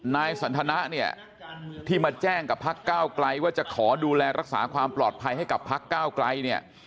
นายสันทนะเนี่ยที่มาแจ้งกับพักก้าวไกลว่าจะขอดูแลรักษาความปลอดภัยให้กับพักก้าวไกลเนี่ย